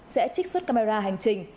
sẽ trích xuất camera hành trình